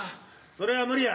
それは無理や。